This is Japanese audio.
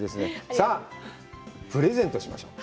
さあ、プレゼントしましょう！